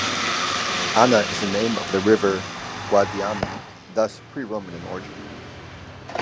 Ana is the name of the river Guadiana thus pre-Roman in origin.